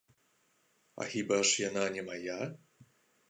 А хіба ж яна не мая?